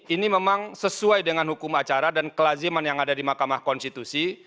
ini memang sesuai dengan hukum acara dan kelaziman yang ada di mahkamah konstitusi